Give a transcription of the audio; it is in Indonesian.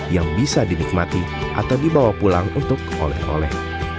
yang bisa dinikmati atau dibawa pulang untuk oleh oleh